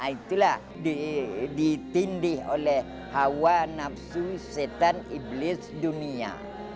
itulah ditindih oleh hawa nafsu setan iblis dunia